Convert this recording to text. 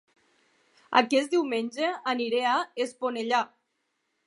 Aquest diumenge aniré a Esponellà